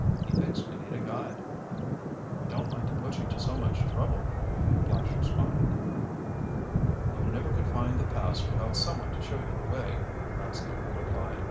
"He thinks we need a guide." "We don't like to put you to so much trouble," Flash responded. "You never could find the pass without someone to show you the way," Rascomb replied.